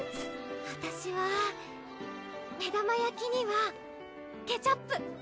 わたしは目玉焼きにはケチャップ！